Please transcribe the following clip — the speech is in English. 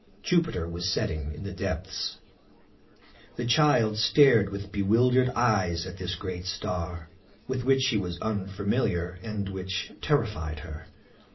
Jupiter was setting in the depths. The child stared with bewildered eyes at this great star, with which she was unfamiliar, and which terrified her.